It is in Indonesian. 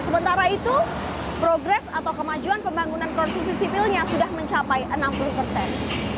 sementara itu progres atau kemajuan pembangunan konstitusi sipilnya sudah mencapai enam puluh persen